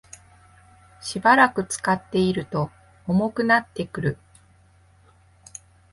しばらく使っていると重くなってくる